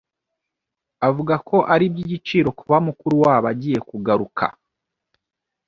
avuga ko ari iby’igiciro kuba mukuru wabo agiye kugaruka